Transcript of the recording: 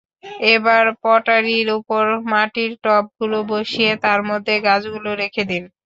এবার পটারির ওপর মাটির টবগুলো বসিয়ে তার মধ্যে গাছগুলো রেখে দিন।